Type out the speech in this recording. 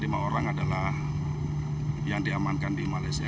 lima orang adalah yang diamankan di malaysia